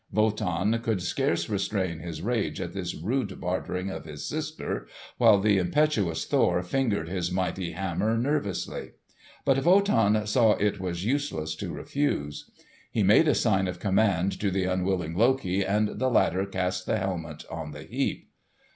Wotan could scarce restrain his rage at this rude bartering of his sister, while the impetuous Thor fingered his mighty hammer nervously. But Wotan saw it was useless to refuse. He made a sign of command to the unwilling Loki, and the latter cast the helmet on the heap.